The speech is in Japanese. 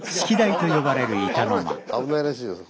危ないらしいよ